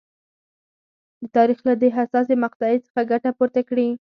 د تاریخ له دې حساسې مقطعې څخه ګټه پورته کړي.